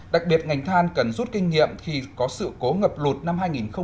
đặc biệt ngành than cần rút kinh nghiệm khi có sự cố ngập lụt năm hai nghìn một mươi chín